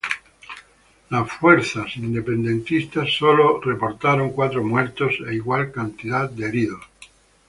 Las fuerzas independentistas solo reportaron cuatro muertos e igual cantidad de heridos.